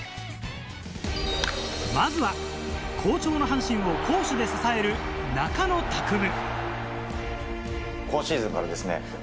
まずは好調な阪神を攻守で支える中野拓夢。